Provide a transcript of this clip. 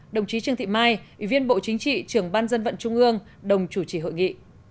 đồng chí trương thị mai ủy viên bộ chính trị trưởng ban dân vận trung ương đồng chủ trì hội nghị